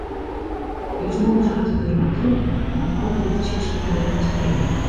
Us noas hat it der mar drok mei om alle luchtsjes te registrearjen.